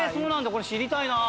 これ知りたいなあ。